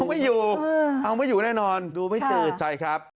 ไม่อยู่เอาไม่อยู่แน่นอนดูไม่เจอใช่ครับ